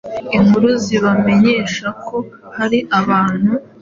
inkuru zibamenyesha ko hari abantu